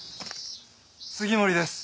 杉森です。